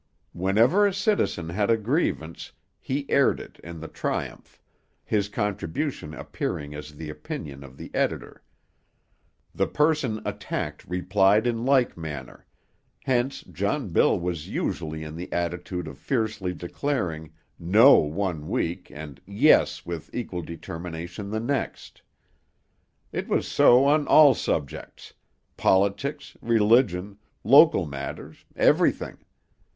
Whenever a citizen had a grievance, he aired it in the Triumph, his contribution appearing as the opinion of the editor. The person attacked replied in like manner; hence John Bill was usually in the attitude of fiercely declaring No one week, and Yes with equal determination the next. It was so on all subjects; politics, religion, local matters everything.